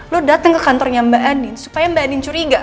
lo dateng ke kantornya mbak andin supaya mbak andin curiga kan